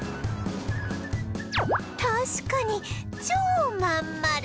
確かに超真ん丸